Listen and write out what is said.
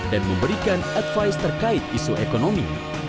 dan memberikan advice terkait isu ekonomi